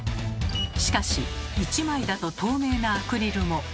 しかし１枚だと透明なアクリルも。